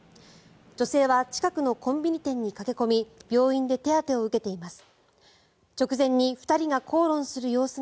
女性は近くのコンビニ店に駆け込み病院で手当てを受けています。